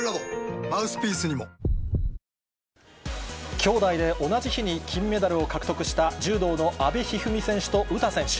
兄妹で同じ日に金メダルを獲得した柔道の阿部一二三選手と詩選手。